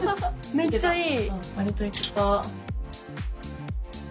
めっちゃいい。